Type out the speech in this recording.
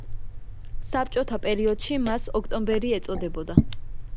საბჭოთა პერიოდში მას „ოქტომბერი“ ეწოდებოდა.